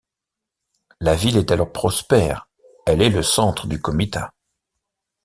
La ville est alors prospère, elle est le centre du comitat.